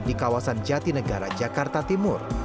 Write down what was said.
di kawasan jati negara jakarta timur